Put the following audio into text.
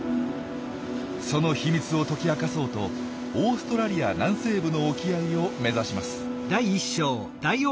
その秘密を解き明かそうとオーストラリア南西部の沖合を目指します。